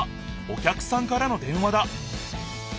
お客さんからの電話だ。